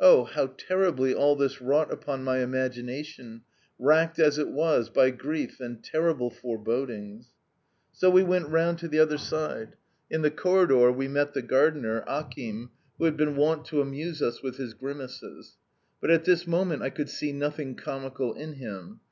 Oh, how terribly all this wrought upon my imagination, racked as it was by grief and terrible forebodings! So we went round to the other side. In the corridor we met the gardener, Akim, who had been wont to amuse us with his grimaces, but at this moment I could see nothing comical in him.